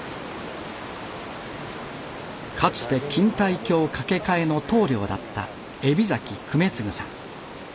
かつて錦帯橋架け替えの棟りょうだった海老粂次さん。